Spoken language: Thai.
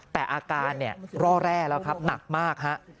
แต่อาการเนี่ยร่อแร่แล้วครับหนักมากฮะ